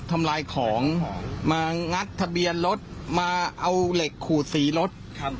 ทำลายของมางัดทะเบียนรถมาเอาเหล็กขูดสีรถครับ